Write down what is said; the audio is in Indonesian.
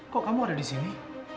kok kamu ada disini